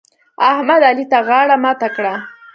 احمد؛ علي ته غاړه ماته کړه.